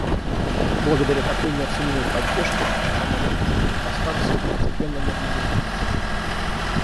Благодаря такой неоценимой поддержке обстановка на электростанции постепенно нормализуется.